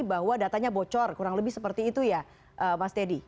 bahwa datanya bocor kurang lebih seperti itu ya mas teddy